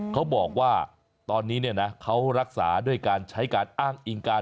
เขาบอกว่าตอนนี้เขารักษาด้วยการใช้การอ้างอิงการ